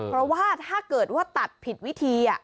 เพราะว่าถ้าเกิดว่าตัดผิดวิธี